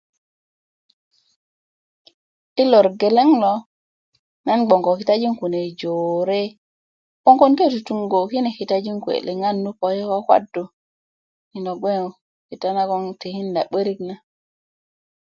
i lor geleŋ lo nan bgwoŋ kobktaesi kune jore 'boŋ kon ke tutungo kine kitajin kuwe n poki kwakwadu ma bgwoŋ kita naŋ n tikinda 'börik na